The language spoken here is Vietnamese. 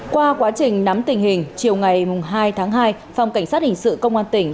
qua quá trình nắm tình hình chiều ngày hai tháng hai phòng cảnh sát hình sự công an tỉnh